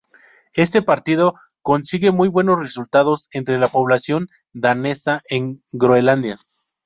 Este partido consigue muy buenos resultados entre la población danesa en Groenlandia.